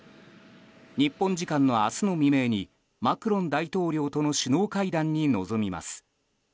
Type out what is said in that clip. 日本時間の明日の未明にマクロン大統領との首脳会談に臨みます。